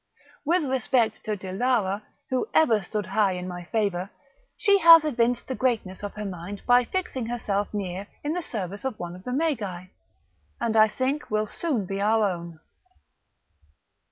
With respect to Dilara, who ever stood high in my favour, she hath evinced the greatness of her mind by fixing herself near in the service of one of the Magi, and I think will soon be our own."